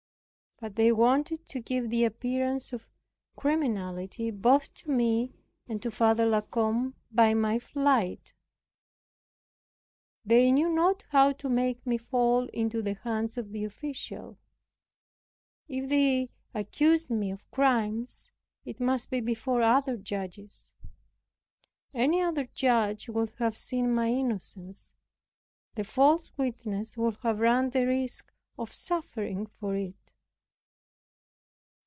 But they wanted to give the appearance of criminality both to me and to Father La Combe by my flight. They knew not how to make me fall into the hands of the official. If they accused me of crimes, it must be before other judges. Any other judge would have seen my innocence; the false witnesses would have run the risk of suffering for it.